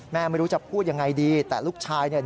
ไม่รู้จะพูดยังไงดีแต่ลูกชายเนี่ย